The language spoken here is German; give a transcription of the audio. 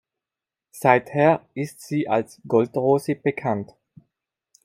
Seither ist sie als "Gold-Rosi" bekannt.